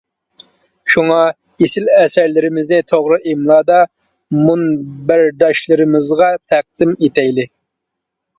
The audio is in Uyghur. شۇڭا ئېسىل ئەسەرلىرىمىزنى توغرا ئىملادا مۇنبەرداشلىرىمىزغا تەقدىم ئېتەيلى.